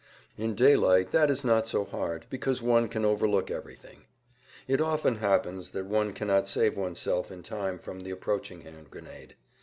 In daylight that is not so hard because one can overlook everything. It often happens that one cannot save oneself in time from the approaching hand grenade.